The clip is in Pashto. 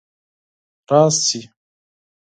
راشي